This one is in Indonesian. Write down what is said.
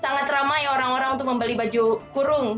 sangat ramai orang orang untuk membeli baju kurung